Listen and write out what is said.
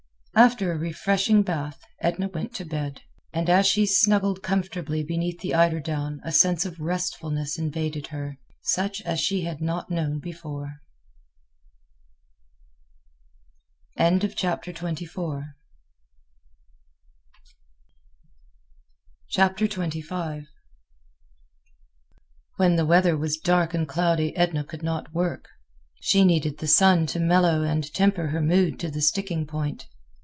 After a refreshing bath, Edna went to bed. And as she snuggled comfortably beneath the eiderdown a sense of restfulness invaded her, such as she had not known before. XXV When the weather was dark and cloudy Edna could not work. She needed the sun to mellow and temper her mood to the sticking point.